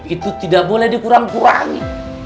itu tidak boleh dikurang kurangi